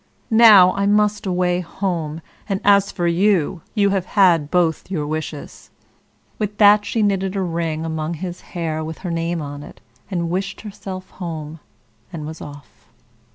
Now, I must away home, and as for you, you have had both your wishes." With that she knitted a ring among his hair with her name on it, and wished herself home, and was off.